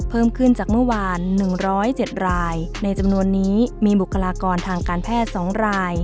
เพิ่มขึ้นจากเมื่อวาน๑๐๗รายในจำนวนนี้มีบุคลากรทางการแพทย์๒ราย